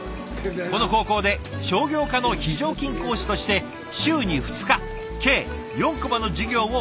この高校で商業科の非常勤講師として週に２日計４コマの授業を受け持っています。